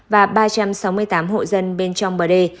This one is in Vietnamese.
và ba trăm sáu mươi tám hộ dân bên trong bờ đê